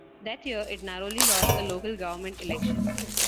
That year it narrowly lost a local government election.